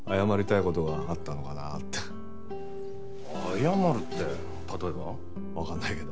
謝るって例えば？わかんないけど。